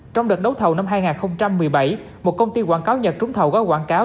trong đợt đấu thầu năm hai nghìn một mươi bảy một công ty quảng cáo nhật trúng thầu gói quảng cáo